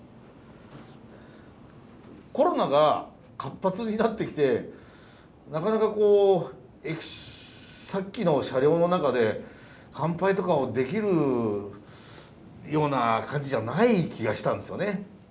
コロナが活発になってきてなかなかこうさっきの車両の中で乾杯とかをできるような感じじゃない気がしたんですよね。